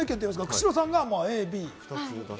久代さんがＡ、Ｂ、２つ。